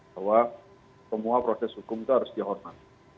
bahwa semua proses hukum itu harus dihormati